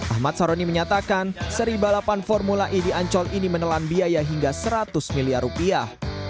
ahmad saroni menyatakan seri balapan formula e di ancol ini menelan biaya hingga seratus miliar rupiah